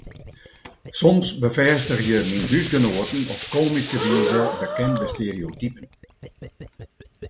Soms befêstigje myn húsgenoaten op komyske wize bekende stereotypen.